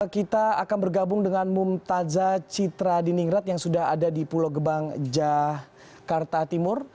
kita akan bergabung dengan mumtazah citra diningrat yang sudah ada di pulau gebang jakarta timur